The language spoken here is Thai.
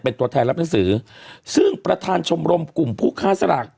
เป็นตัวแทนรับหนังสือซึ่งประธานชมรมกลุ่มผู้ค้าสลาก